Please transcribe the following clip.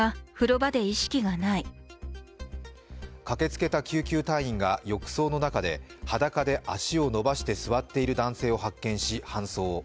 駆けつけた救急隊員が浴槽の中で裸で足を伸ばして座ってる男性を発見し、搬送。